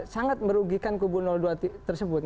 sangat merugikan kubu dua tersebut